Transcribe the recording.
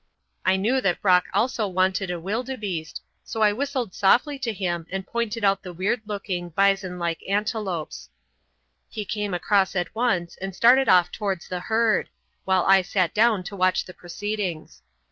I knew that Brock also wanted a wildebeeste, so I whistled softly to him, and pointed out the weird looking, bison like antelopes. He came across at once and started off towards the herd, while I sat down to watch the proceedings.